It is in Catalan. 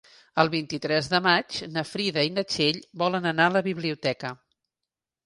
El vint-i-tres de maig na Frida i na Txell volen anar a la biblioteca.